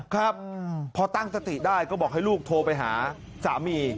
ครับพอตั้งสติได้ก็บอกให้ลูกโทรไปหาสามี